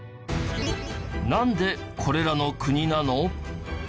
なんでこれらの国なの？